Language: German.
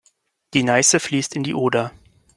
Die Neiße fließt in die Oder.